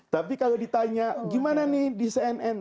tapi kalau ditanya gimana nih di cnn